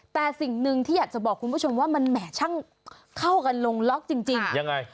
แต่สิ่งหนึ่งที่อยากจะบอกคุณผู้ชมว่ามันแหมช่างเข้ากันลงล็อกจริงยังไง